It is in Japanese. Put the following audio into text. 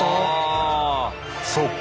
そっか。